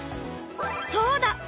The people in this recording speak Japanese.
そうだ！